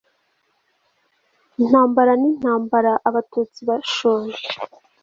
intambara ni intambara abatutsi bashoje